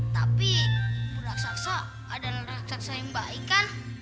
tapi bu raksasa adalah raksasa yang baik kan